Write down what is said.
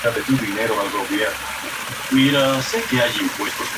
Se han usado diversas estrategias para caracterizar a las celdas solares.